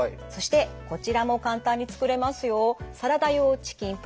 そしてこちらも簡単に作れますよ。